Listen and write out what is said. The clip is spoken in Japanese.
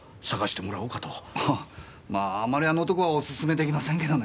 あぁまああまりあの男はお薦め出来ませんけどねぇ。